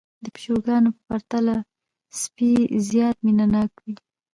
د پيشوګانو په پرتله سپي زيات مينه ناک وي